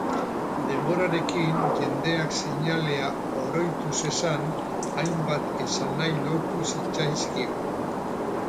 Denborarekin jendeak seinalea oroitu zezan hainbat esanahi lotu zitzaizkion.